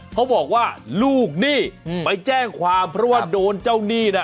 เขาบอกว่าลูกหนี้ไปแจ้งความเพราะว่าโดนเจ้าหนี้นะ